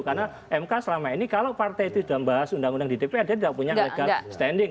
karena mk selama ini kalau partai itu sudah membahas undang undang dtp dia tidak punya legal standing